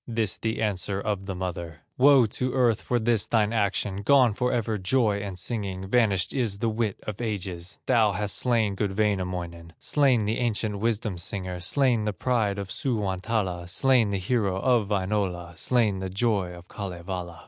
This the answer of the mother: "Woe to earth for this thine action, Gone forever, joy and singing, Vanished is the wit of ages! Thou hast slain good Wainamoinen, Slain the ancient wisdom singer, Slain the pride of Suwantala, Slain the hero of Wainola, Slain the joy of Kalevala."